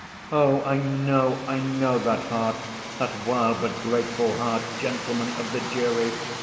"Oh, I know, I know that heart, that wild but grateful heart, gentlemen of the jury!